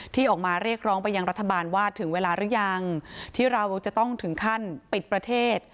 ที่ออกมาเรียกร้องไปยังรัฐบาลว่าถึงเวลาหรือยังที่เราจะต้องถึงขั้นปิดประเทศ